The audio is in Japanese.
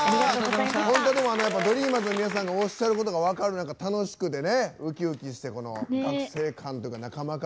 本当にＤＲＥＡＭＥＲＳの皆さんがおっしゃることが分かる、楽しくて、ウキウキして学生感というか、仲間感。